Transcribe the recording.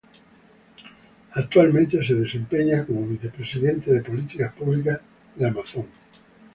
Actualmente se desempeña como vicepresidente de políticas públicas de Amazon.